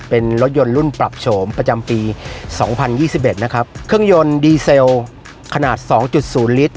เป็นรถยนต์รุ่นปรับโฉมประจำปีสองพันยี่สิบเอ็ดนะครับเครื่องยนต์ดีเซลขนาดสองจุดศูนย์ลิตร